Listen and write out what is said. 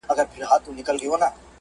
قلندر ته کار مهم د تربیت وو.!